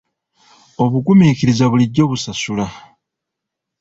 Obugumiikiriza bulijjo busasula.